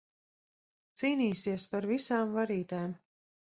Cīnīsies par visām varītēm.